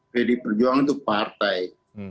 pd perjuangan itu partai